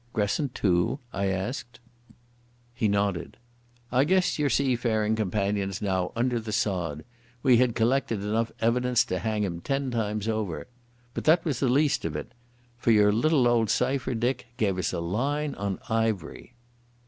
"Gresson, too?" I asked. He nodded. "I guess your seafaring companion's now under the sod. We had collected enough evidence to hang him ten times over.... But that was the least of it. For your little old cipher, Dick, gave us a line on Ivery."